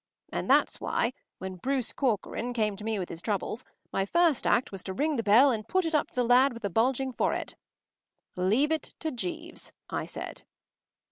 And that’s why, when Bruce Corcoran came to me with his troubles, my first act was to ring the bell and put it up to the lad with the bulging forehead. “Leave it to Jeeves,” I said.